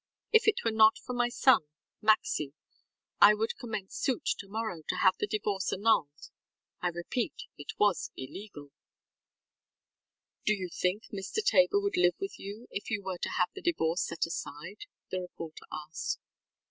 If it were not for my son, Maxcy, I would commence suit tomorrow to have the divorce annulled. I repeat, it was illegal. ŌĆØ ŌĆ£Do you think Mr. Tabor would live with you if you were to have the divorce set aside? ŌĆØ the reporter asked.